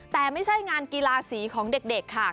แต่ไม่ใช่งานกีฬาสีของเด็กค่ะ